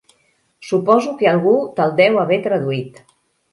Suposo que algú te'l deu haver traduït.